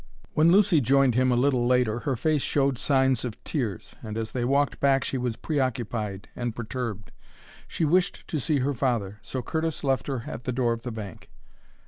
When Lucy joined him a little later her face showed signs of tears, and as they walked back she was preoccupied and perturbed. She wished to see her father, so Curtis left her at the door of the bank.